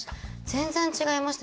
全然、違いました。